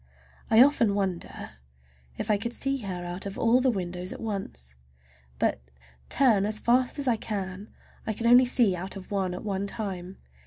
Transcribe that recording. I often wonder if I could see her out of all the windows at once. But, turn as fast as I can, I can only see out of one at one time.